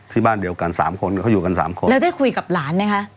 ที่บ้านเดียวกันสามคนเขาอยู่กันสามคนแล้วได้คุยกับหลานไหมคะ